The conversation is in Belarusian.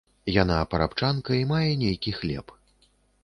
Яна парабчанка і мае нейкі хлеб.